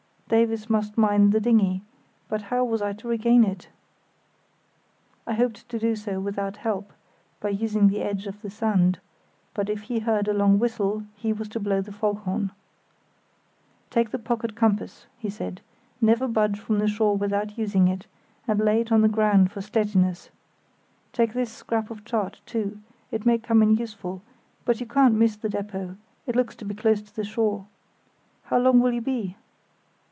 Davies must mind the dinghy; but how was I to regain it? I hoped to do so without help, by using the edge of the sand; but if he heard a long whistle he was to blow the foghorn. "Take the pocket compass," he said. "Never budge from the shore without using it, and lay it on the ground for steadiness. Take this scrap of chart, too—it may come in useful; but you can't miss the depôt, it looks to be close to the shore. How long will you be?"